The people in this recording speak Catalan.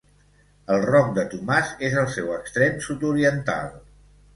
El Roc de Tomàs és el seu extrem sud-oriental.